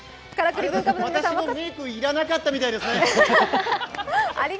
私、メイク要らなかったみたいですね。